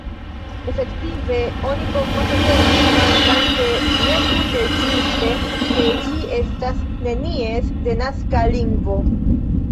Efektive, oni povas aserti, kvankam ne tute ĝuste, ke ĝi estas nenies denaska lingvo.